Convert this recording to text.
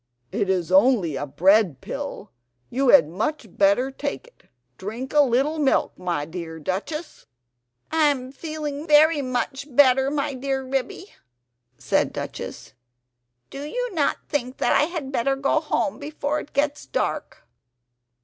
"It is only a bread pill, you had much better take it; drink a little milk, my dear Duchess!" "I am feeling very much better, my dear Ribby," said Duchess. "Do you not think that I had better go home before it gets dark?"